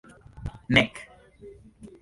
nek